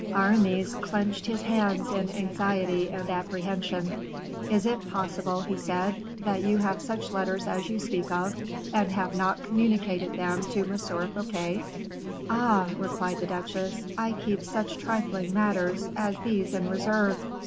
Aramis clenched his hands in anxiety and apprehension. "Is it possible," he said, "that you have such letters as you speak of, and have not communicated them to M. Fouquet?" "Ah!" replied the duchesse, "I keep such trifling matters as these in reserve.